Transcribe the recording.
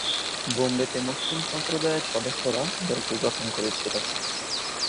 বোম্বেতে Muslim সম্প্রদায়ের সদস্যরা দলটি গঠন করেছিল।